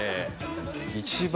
一番